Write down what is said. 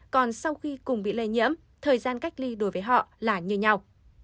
còn sau khi cùng bị lây nhiễm thời gian cách ly đối với họ là như nhau